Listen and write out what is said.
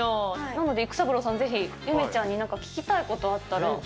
なので、育三郎さん、ぜひゆめちゃんになんか聞きたいことあったら。